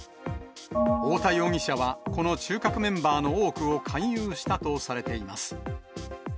太田容疑者は、この中核メンバーの多くを勧誘したとされています。